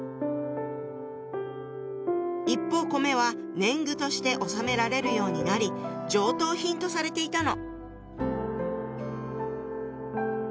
一方米は年貢として納められるようになり上等品とされていたの。